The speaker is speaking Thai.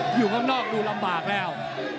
อยู่ข้างนอกดูลำบากแล้ว